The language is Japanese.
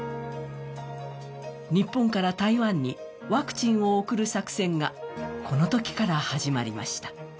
日本から台湾にワクチンを送る作戦がこのときから始まりました。